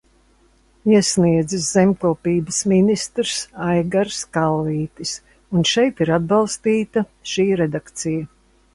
Iesniedzis zemkopības ministrs Aigars Kalvītis, un šeit ir atbalstīta šī redakcija.